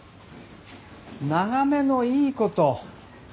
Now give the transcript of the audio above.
眺めのいいこと。